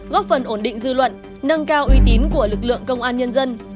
góp phần ổn định dư luận nâng cao uy tín của lực lượng công an nhân dân